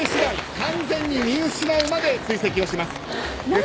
完全に見失うまで追跡をします。